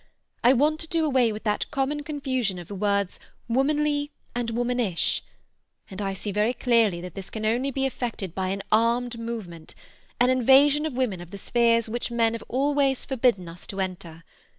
I want to do away with that common confusion of the words womanly and womanish, and I see very clearly that this can only be effected by an armed movement, an invasion by women of the spheres which men have always forbidden us to enter.